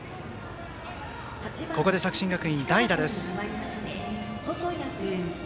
ここで作新学院、代打です。